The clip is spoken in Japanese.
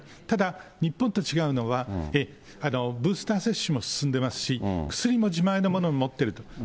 ただ日本と違うのは、ブースター接種も進んでますし、薬も自前のものを持ってると。